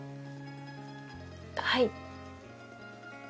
はい。